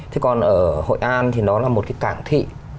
thế còn ở hội an thì nó là một cái cảng thị